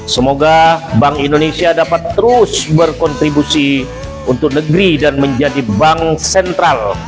semoga bank indonesia dapat terus berkontribusi untuk negeri dan menjadi bank sentral